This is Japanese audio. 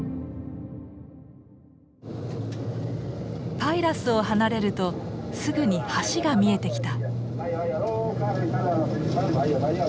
パイラスを離れるとすぐに橋が見えてきた。